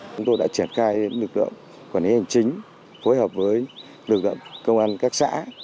chúng tôi đã triển khai lực lượng quản lý hành chính phối hợp với lực lượng công an các xã